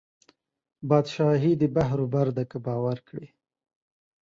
بادشاهي د بحر وبر ده که باور کړې